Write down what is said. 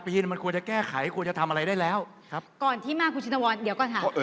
สตาร์ทปีนมันควรจะแก้ไขควรจะทำอะไรได้แล้ว